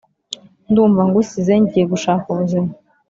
ndumva ngusize ngiye gushaka ubuzima